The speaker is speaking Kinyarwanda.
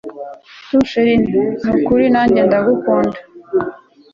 too chr nukuri nanjye ndagukunda